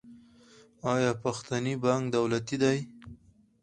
آیا پښتني بانک دولتي دی؟